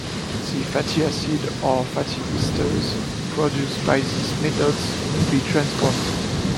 The fatty acid or fatty esters produced by these methods may be transformed.